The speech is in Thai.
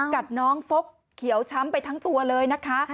กับน้องฟกเขียวช้ำไปทั้งตัวเลยนะคะ